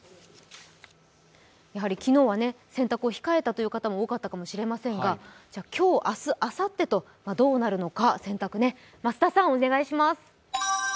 やはり昨日は洗濯を控えたという方も多かったかもしれませんが、今日、明日、あさってと洗濯どうなるのか、増田さんお願いします。